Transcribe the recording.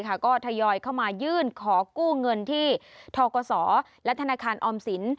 ก็ทยอยเข้ามายื่นขอกู้เงินที่ทกศและธนาคารออมสิน